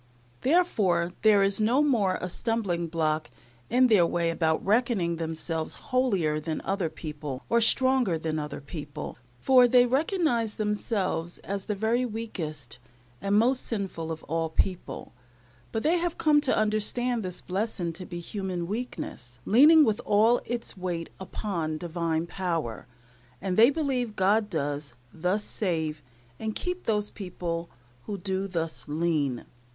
Therefore, there is no more a stumbling block in their way about reckoning themselves holier than other people, or stronger than other people, for they recognize themselves as the very weakest and most sinful of all people: but they have come to understand this blessing to be human weakness, leaning with all its weight upon Divine power; and they believe God does thus save and keep those people who do thus lean.